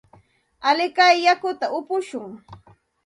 Alikay yakuta upushun.